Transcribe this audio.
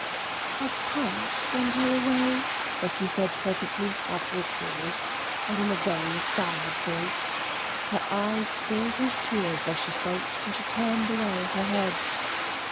"I can't send her away," Becky said presently, after a pause, and in a very sad voice. Her eyes filled with tears as she spoke, and she turned away her head.